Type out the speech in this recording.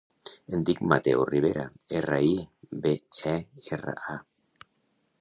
Em dic Mateo Ribera: erra, i, be, e, erra, a.